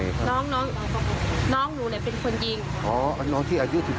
ถูกไล่ยิงมาตั้งแต่วันริสต์ใช่ไหม